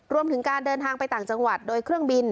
รวมถึงการเดินทางไปต่างจังหวัดโดยเครื่องบิน